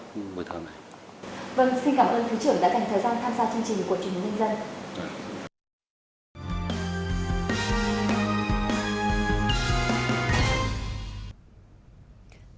vâng xin cảm ơn thủ tướng đã dành thời gian tham gia chương trình của chủ nhật ninh dân